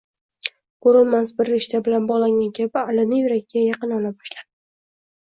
Ko`rinmas bir rishta bilan bog`langan kabi Alini yuragiga yaqin ola boshladi